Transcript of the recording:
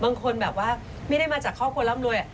บางคนแบบว่าไม่ได้มาจากครอบครัวร่ำรวย